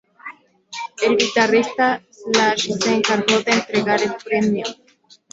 El guitarrista Slash se encargó de entregar el premio.